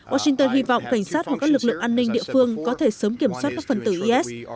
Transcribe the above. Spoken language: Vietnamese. washington hy vọng cảnh sát hoặc các lực lượng an ninh địa phương có thể sớm kiểm soát các phần tử is